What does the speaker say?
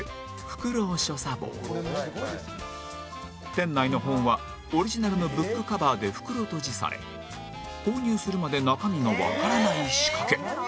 店内の本はオリジナルのブックカバーで袋とじされ購入するまで中身がわからない仕掛け